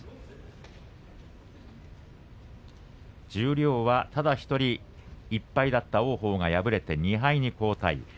十両はただ１人１敗だった王鵬が敗れて２敗に後退。